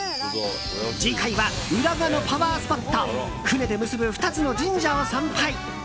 次回は浦賀のパワースポット船で結ぶ２つの神社を参拝。